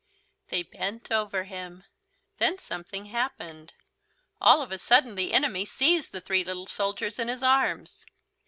They bent over him. Then something happened. All of a sudden the enemy seized the three little soldiers in his arms.